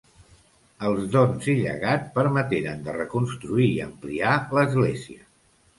Els dons i llegat permeteren de reconstruir i ampliar l'església.